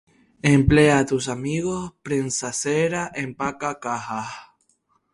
Emplea a tus amigos, prensa cera, empaca cajas.